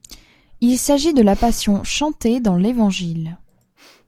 Il s'agit de la Passion chantée dans l'Évangile.